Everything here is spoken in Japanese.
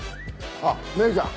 あっメグちゃん